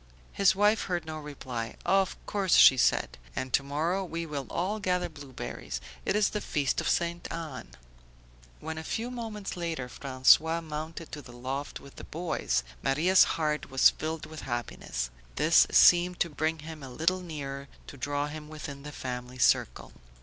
His wife heard no reply. "Of course!" said she. "And to morrow we will all gather blueberries. It is the feast of Ste. Anne." When a few moments later François mounted to the loft with the boys, Maria's heart was filled with happiness. This seemed to bring him a little nearer, to draw him within the family circle.